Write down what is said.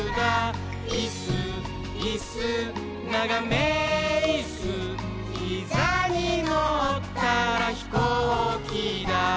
「いっすーいっすーながめいっすー」「ひざにのったらひこうきだ」